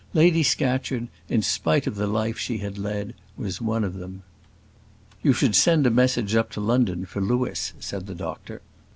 Lady Scatcherd, in spite of the life she had led, was one of them. "You should send a message up to London for Louis," said the doctor.